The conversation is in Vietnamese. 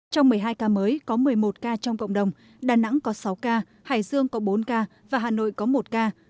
trong một mươi hai ca mới có một mươi một ca trong cộng đồng đà nẵng có sáu ca hải dương có bốn ca và hà nội có một ca